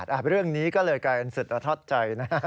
ให้๔๐๐บาทเรื่องนี้ก็เลยกลายเป็นสุดทอดใจนะ